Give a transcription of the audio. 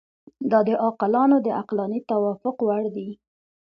دا د عاقلانو د عقلاني توافق وړ دي.